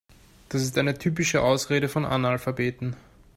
Das ist eine typische Ausrede von Analphabeten.